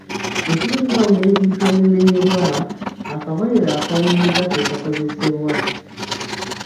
Bwe tuba twawula ebintu ebimenyebwa, akabonero akawummuza ke kakozesebwa.